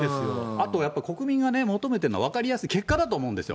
あとやっぱ国民がね、求めているのは分かりやすい結果だと思うんですよ。